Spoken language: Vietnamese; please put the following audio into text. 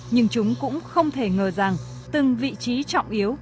nhưng chúng cũng không thể ngờ rằng từng vị trí trọng yếu